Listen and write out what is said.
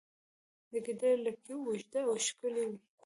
د ګیدړې لکۍ اوږده او ښکلې وي